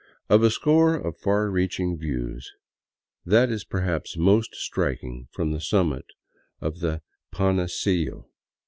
Of a score of far reaching views, that is perhaps most striking from the summit of the Panecillo.